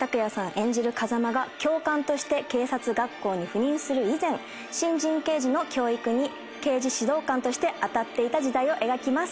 演じる風間が教官として警察学校に赴任する以前新人刑事の教育に刑事指導官として当たっていた時代を描きます。